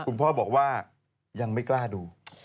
คุณพ่อบอกว่ายังไม่กล้าดู